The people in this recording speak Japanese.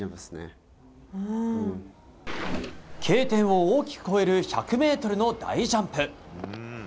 Ｋ点を大きく越える１００ｍの大ジャンプ。